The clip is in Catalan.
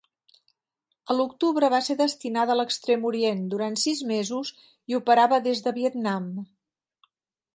A l'octubre va ser destinada a l'Extrem Orient durant sis mesos i operava des de Vietnam.